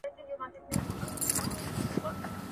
تنکۍ ولسواکي د چپیانو له خوا زندۍ سوه.